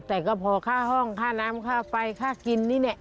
แต่ก็พอค่าห้องค่าน้ำค่าไฟค่ากินนี่เนี่ย